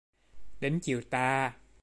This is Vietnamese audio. Đến chiều tà